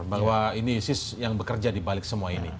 bahwa ini isis yang bekerja dibalik semua ini